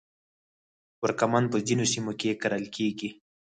کورکمن په ځینو سیمو کې کرل کیږي